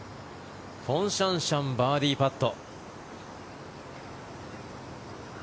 フォン・シャンシャンバーディーパット。